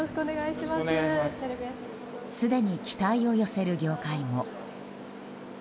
すでに期待を寄せる業界も。